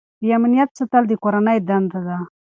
د امنیت ساتل د کورنۍ دنده ده.